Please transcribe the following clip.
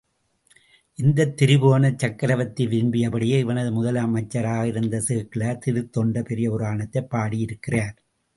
இந்தத் திரிபுவனச் சக்ரவர்த்தி விரும்பியபடியே இவனது முதல் அமைச்சராக இருந்த சேக்கிழார் திருத்தொண்டர் பெரிய புராணத்தைப் பாடி இருக்கிறார்.